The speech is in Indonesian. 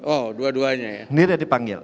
oh dua duanya ya